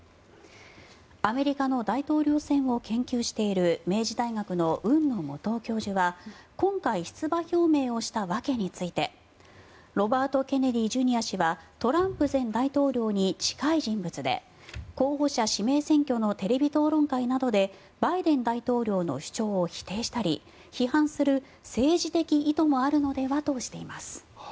アメリカの大統領選を研究している明治大学の海野素央教授は今回、出馬表明をした訳についてロバート・ケネディ・ジュニア氏はトランプ前大統領に近い人物で候補者指名選挙のテレビ討論会などでバイデン大統領の主張を否定したり批判する政治的意図もあるのではとしています。